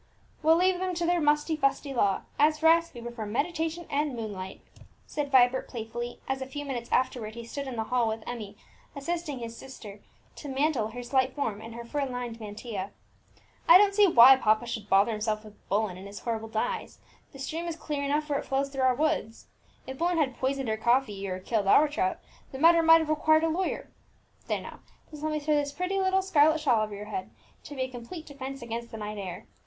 "We'll leave them to their musty fusty law; as for us, we prefer meditation and moonlight!" said Vibert playfully, as a few minutes afterwards he stood in the hall with Emmie, assisting his sister to mantle her slight form in her fur lined mantilla. "I don't see why papa should bother himself with Bullen and his horrible dyes; the stream is clear enough where it flows through our woods. If Bullen had poisoned our coffee, or killed our trout, the matter might have required a lawyer. There now, just let me throw this pretty little scarlet shawl over your head, to be a complete defence against the night air!